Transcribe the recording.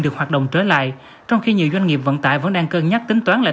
được hoạt động trở lại trong khi nhiều doanh nghiệp vận tải vẫn đang cân nhắc tính toán lại